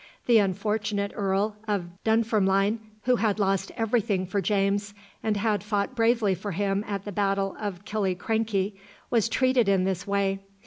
The unfortunate Earl of Dunfermline, who had lost every thing for James, and had fought bravely for him at the battle of Killiecrankie, was treated in this way.